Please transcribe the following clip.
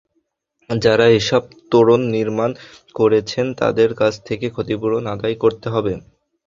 যাঁরা এসব তোরণ নির্মাণ করেছেন, তাঁদের কাছ থেকে ক্ষতিপূরণ আদায় করতে হবে।